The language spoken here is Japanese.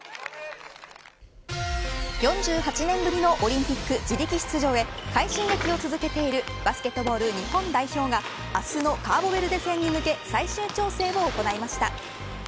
４８年ぶりのオリンピック自力出場へ快心撃を続けているバスケットボール日本代表が明日のカーボベルデ戦に向け最終調整を行いました。